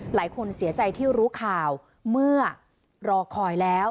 หลายคนเสียใจที่รู้ข่าวเมื่อรอคอยแล้ว